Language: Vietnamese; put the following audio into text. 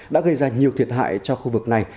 đã gây ra nhiều thiệt hại cho khu vực này